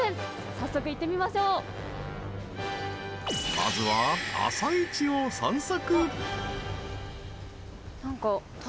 まずは、朝市を散策。